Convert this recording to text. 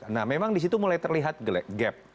nah memang di situ mulai terlihat gap